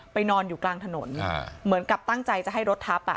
นอนอยู่กลางถนนเหมือนกับตั้งใจจะให้รถทับอ่ะ